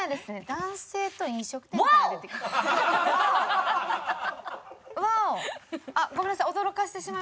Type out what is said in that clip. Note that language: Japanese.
男性と飲食店から。